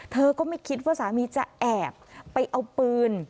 เธอก็ไม่คิดว่าสามีจะแอบไปเอาปืน